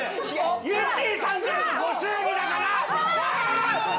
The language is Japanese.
ゆってぃさんからのご祝儀だから。